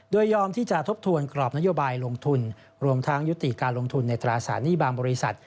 โดยยอมที่จะทบทวนกรอบนโยบายลงทุนรวมทั้งยุติการลงทุนในตราสารหนี้บางบริษัท